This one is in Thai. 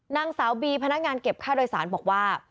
นางสาวบีพนักงานเก็บค่าโดยสารบอกว่า